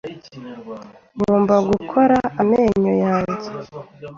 Ngomba gukosora amenyo yanjye .